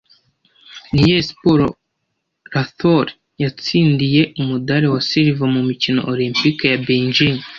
Ni iyihe siporo Rathore yatsindiye umudari wa silver mu mikino Olempike ya Beijing